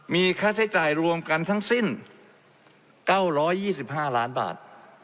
มีค่าใช้จ่ายรวมกันทั้งสิ้น๙๒๕ล้านบาท